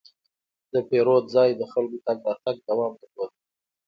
د پیرود ځای ته د خلکو تګ راتګ دوام درلود.